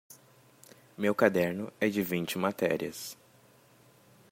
Meu caderno é de vinte matérias.